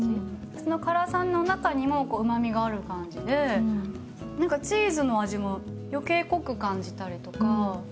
その辛さの中にもうまみがある感じで何かチーズの味も余計濃く感じたりとか。